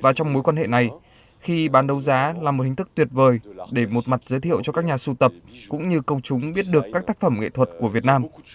và trong mối quan hệ này khi bán đấu giá là một hình thức tuyệt vời để một mặt giới thiệu cho các nhà sưu tập cũng như công chúng biết được các tác phẩm nghệ thuật của việt nam